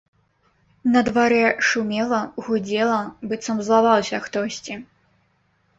На дварэ шумела, гудзела, быццам злаваўся хтосьці.